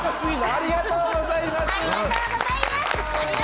ありがとうございます。